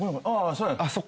ああそう。